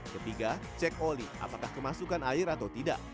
ketiga cek oli apakah kemasukan air atau tidak